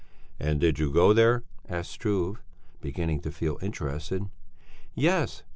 "And did you go there?" asked Struve, beginning to feel interested. "Yes.